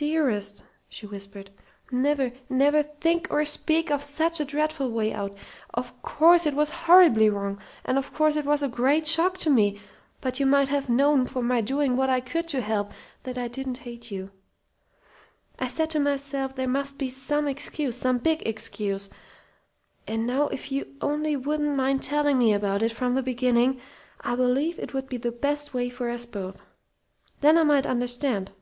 "Dearest!" she whispered. "Never, never think or speak of such a dreadful way out! Of course it was horribly wrong, and of course it was a great shock to me, but you might have known from my doing what I could to help that I didn't hate you. I said to myself there must be some excuse some big excuse. And now, if only you wouldn't mind telling me about it from the beginning, I believe it would be the best way for us both. Then I might understand."